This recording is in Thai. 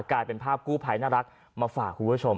กลายเป็นภาพกู้ภัยน่ารักมาฝากคุณผู้ชม